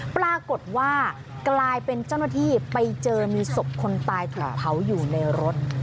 ปรากฏว่ากลายเป็นเจ้าหน้าที่ไปเจอมีศพคนตายถูกเผาอยู่ในรถ